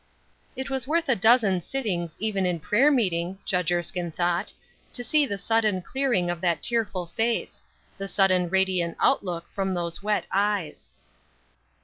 It was worth a dozen sittings even in prayer meeting, Judge Erskine thought, to see the sudden clearing of that tearful face; the sudden radiant outlook from those wet eyes.